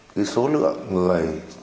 cái số lượng người